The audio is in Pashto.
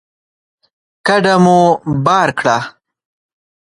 کډه مو بار کړه